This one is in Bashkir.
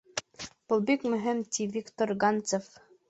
Был бик мөһим, — ти Виктор Ганцев.